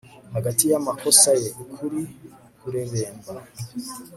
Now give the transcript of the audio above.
hagati y'amakosa ye, ukuri kureremba